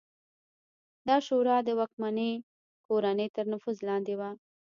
دا شورا د واکمنې کورنۍ تر نفوذ لاندې وه